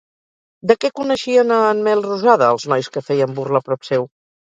De què coneixien a en Melrosada els nois que feien burla prop seu?